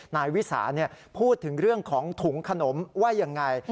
นายวิสาพูดถึงเรื่องของถุงขนมว่ายังไง